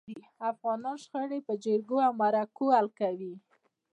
افغانان شخړي په جرګو او مرکو حل کوي.